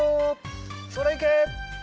それいけ！